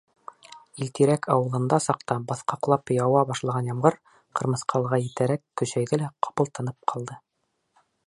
Илтирәк ауылында саҡта быҫҡаҡлап яуа башлаған ямғыр Ҡырмыҫҡалыға етәрәк көсәйҙе лә ҡапыл тынып ҡалды.